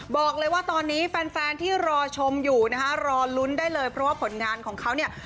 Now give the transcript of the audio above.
บอกเลยว่าตอนนี้แฟนที่รอชมอยู่นะคะรอลุ้นได้เลยเพราะว่าผลงานของเขาเนี่ย